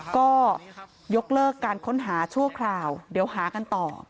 ก็ยกเลิกการค้นหาชั่วคราวเดี๋ยวหากันต่อ